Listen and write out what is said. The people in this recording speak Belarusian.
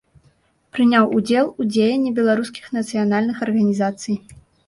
Прыняў удзел у дзеянні беларускіх нацыянальных арганізацый.